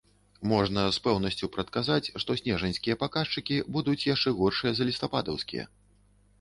Можна з пэўнасцю прадказаць, што снежаньскія паказчыкі будуць яшчэ горшыя за лістападаўскія.